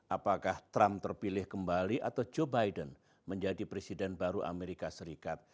apakah trump terpilih kembali atau joe biden menjadi presiden baru amerika serikat